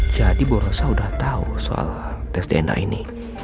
jadi bu saya sudah tahu soal tes dna ini